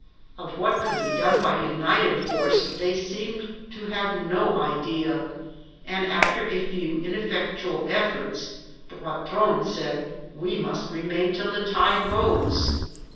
Of what could be done by united force they seemed to have no idea ; and, after a few ineffectual efforts, the patron said we must remain till the tide rose.